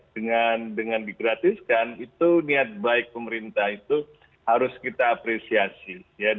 dengan digratiskan itu niat baik pemerintah itu harus kita apresiasi